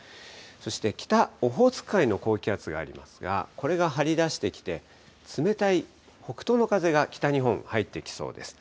そして北、オホーツク海の高気圧がありますが、これが張り出してきて、冷たい北東の風が北日本、入ってきそうです。